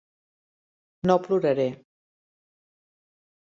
No ploraré.